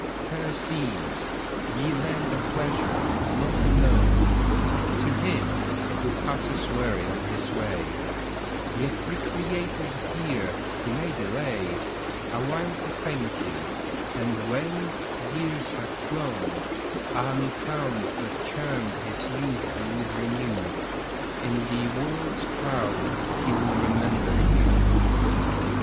Fair scenes, ye lend a pleasure, long unknown, To him who passes weary on his way; Yet recreated here he may delay A while to thank you; and when years have flown, And haunts that charmed his youth he would renew, In the world's crowd he will remember you.